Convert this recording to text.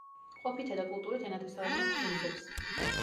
ყოფითა და კულტურით ენათესავებიან ხუნძებს.